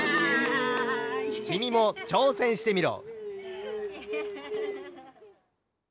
きみもちょうせんしてみろ。